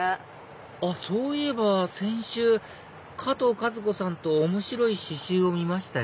あっそういえば先週かとうかず子さんと面白い刺繍を見ましたよ